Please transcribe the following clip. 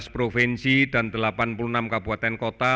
tujuh belas provinsi dan delapan puluh enam kabupaten kota